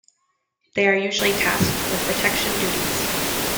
They are usually tasked with protection duties.